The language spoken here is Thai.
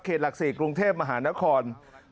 เขตหลักศรีกรุงเทพมหานคร